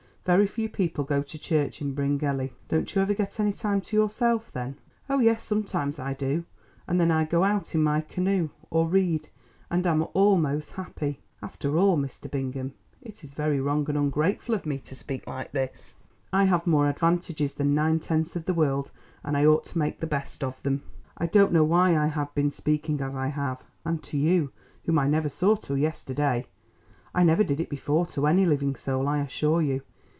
Very few people go to church in Bryngelly." "Don't you ever get any time to yourself, then?" "Oh, yes, sometimes I do, and then I go out in my canoe, or read, and am almost happy. After all, Mr. Bingham, it is very wrong and ungrateful of me to speak like this. I have more advantages than nine tenths of the world, and I ought to make the best of them. I don't know why I have been speaking as I have, and to you, whom I never saw till yesterday. I never did it before to any living soul, I assure you.